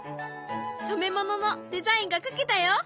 染め物のデザインが描けたよ。